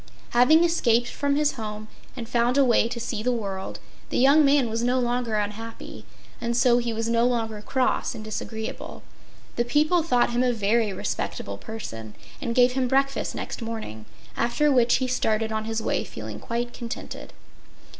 Having escaped from his home and found a way to see the world, the young man was no longer unhappy, and so he was no longer cross and disagreeable. The people thought him a very respectable person and gave him breakfast next morning, after which he started on his way feeling quite contented.